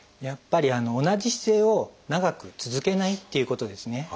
やっぱり同じ姿勢を長く続けないっていうことですね。